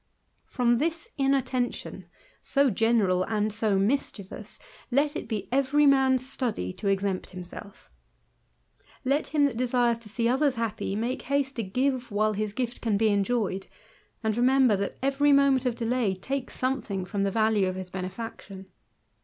From this inattention, so general and so mischievous^ W it be every man's study to exempt himself. Let him th»t desires to see others happy make haste to give while hi^ gift can be enjoyed, and remember that every moment rf delay takes something firom the value of his bene&ctioa / V THE IDLER.